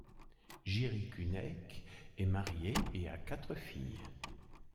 Jiří Čunek est marié et a quatre filles.